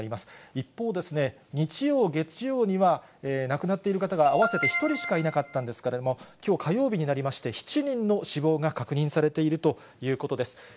一方ですね、日曜、月曜には亡くなっている方が合わせて１人しかいなかったんですけれども、きょう火曜日になりまして、７人の死亡が確認されているということです。